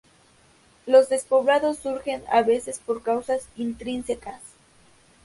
Los despoblados surgen a veces por causas intrínsecas.